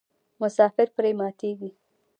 مسافر پرې ماتیږي.